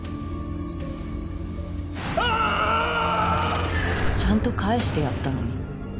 あぁ‼ちゃんと返してやったのに。